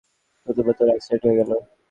নতুবা তোর এক্সিডেন্ট হয়ে গেলো!